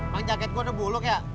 bang jaket gue udah bulog ya